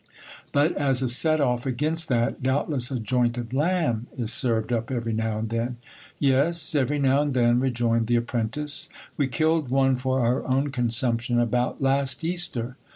But as a set off against that, doubtless a joint of lamb is served up every now and then ? Yes, every now and then, rejoined the apprentice ; we killed one for our own consumption about last Easter.